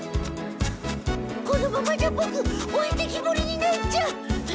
このままじゃボクおいてきぼりになっちゃう。